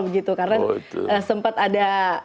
begitu karena sempat ada